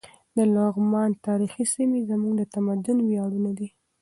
د لغمان تاریخي سیمې زموږ د تمدن ویاړونه دي.